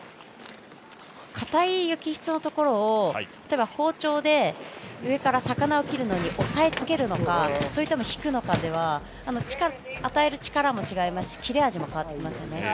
かたい雪質のところを例えば、包丁で上から魚を切るのに押さえつけるのかそれとも引くのかでは与える力も違いますし切れ味も変わってきますよね。